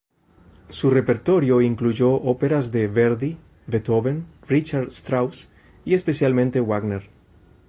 Su repertorio incluyó óperas de Verdi, Beethoven, Richard Strauss y especialmente Wagner.